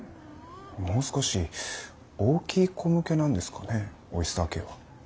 もう少し大きい子向けなんですかねオイスターＫは。